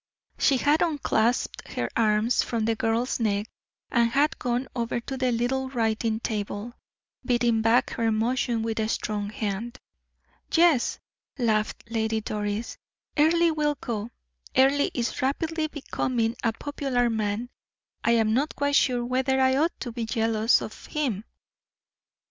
She had unclasped her arms from the girl's neck, and had gone over to the little writing table, beating back her emotion with a strong hand. "Yes," laughed Lady Doris, "Earle will go. Earle is rapidly becoming a popular man. I am not quite sure whether I ought not to be jealous of him.